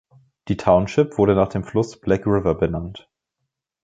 Die Township wurde nach dem Fluss Black River benannt.